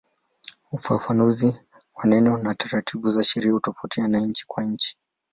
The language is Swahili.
Ufafanuzi wa neno na taratibu za sheria hutofautiana nchi kwa nchi.